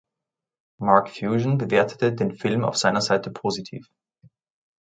Marc Fusion bewertete den Film auf seiner Seite positiv.